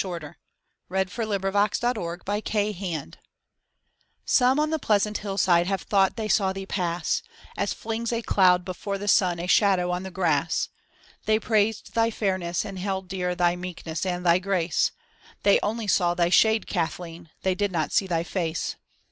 THE SAD YEARS s THEY DID NOT SEE THY FACE OME on the pleasant hillside have thought thej saw thee pass, As flings a cloud before the sun a shadow on the grass. They praised thy fairness and held dear thy meekness and thy grace; They only saw thy shade, Kathleen, they did not see thy face.